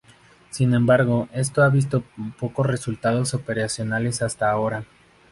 Sin embargo esto ha visto pocos resultados operacionales hasta ahora.